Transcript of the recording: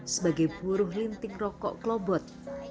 sebagai buruh linting rokok klobot